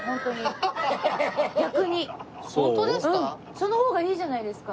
その方がいいじゃないですか。